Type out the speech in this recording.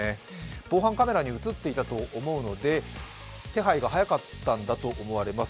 防犯カメラに映っていたと思うので手配が早かったんだと思われます。